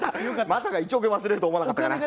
まさか１億円忘れるとは思わなかったかな。